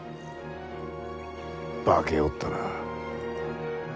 化けおったな。